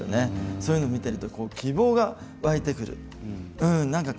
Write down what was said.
そういうのを見ていると希望が湧いてくる。